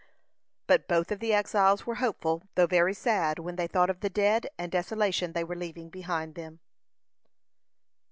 But both of the exiles were hopeful, though very sad, when they thought of the death and desolation they were leaving behind them.